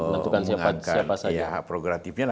mengangkat hak progratifnya